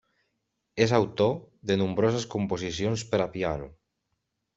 És autor de nombroses composicions per a piano.